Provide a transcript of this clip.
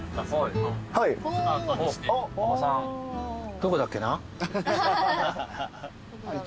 どこだっけな？